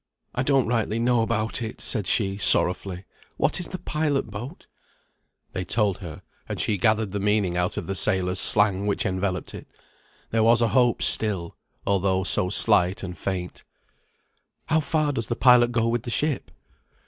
"I don't rightly know about it," said she, sorrowfully. "What is the pilot boat?" They told her, and she gathered the meaning out of the sailors' slang which enveloped it. There was a hope still, although so slight and faint. "How far does the pilot go with the ship?"